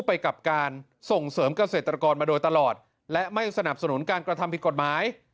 ไปกับการส่งเสริมเกษตรกรมาโดยตลอดและไม่สนับสนุนการกระทำผิดกฎหมาย